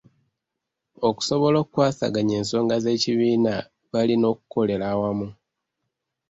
Okusobola okukwasaganya ensonga z'ekibiina, balina okukolera awamu.